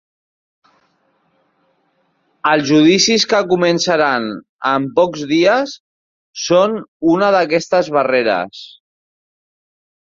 Els judicis que començaran en pocs dies, són una d’aquestes barreres.